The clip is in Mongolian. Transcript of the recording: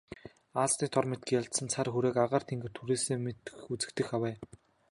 Аалзны тор мэт гялалзсан цан хүүрэг агаар тэнгэрт хэрээстэй мэт үзэгдэх авай.